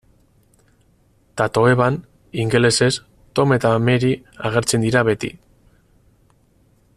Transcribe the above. Tatoeban, ingelesez, Tom eta Mary agertzen dira beti.